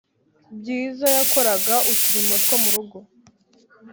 Bwiza yakoraga uturimo two mu rugo